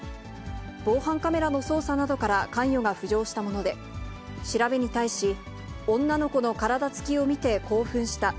防犯カメラの捜査などから関与が浮上したもので、調べに対し、女の子の体つきを見て興奮した。